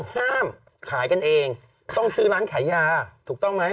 ห้ามขายกันเองต้องซื้อร้านขายยาถูกต้องไหม